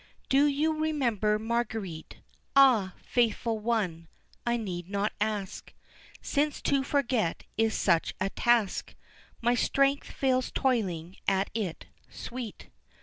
Do you remember Marguerite, Ah! faithful one, I need not ask, Since to forget is such a task, My strength fails toiling at it, sweet.